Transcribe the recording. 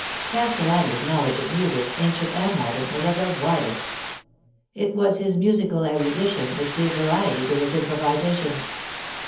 Castel lani's knowledge of music, ancient and modern, was of the widest. It was his musical erudition which gave variety to his improvisations.